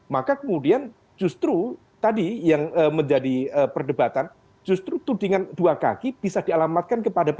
maka kemudian justru tadi yang menjadi perdebatan justru tudingan dua kaki bisa dialamatkan kepada p tiga